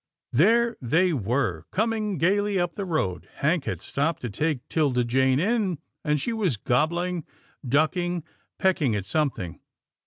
There they were — coming gaily up the road. Hank had stopped to take 'Tilda Jane in, and she was gobbling, ducking, pecking at something.